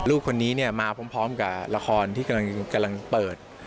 ลูกคนนี้เนี่ยมาพร้อมกับละครที่กำลังเปิด